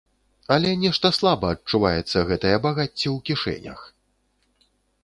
Але нешта слаба адчуваецца гэтае багацце ў кішэнях.